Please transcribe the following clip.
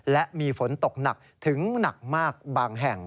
และมีฝนตกหนักถึงหนักมากบางแห่ง